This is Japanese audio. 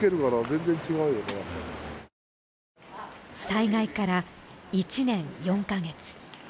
災害から１年４か月。